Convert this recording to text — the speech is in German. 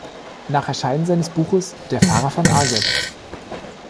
Nach Erscheinen seines Buches „Der Pfarrer von Arget.